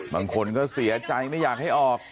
บางคนก็เสียใจไม่อยากให้ออก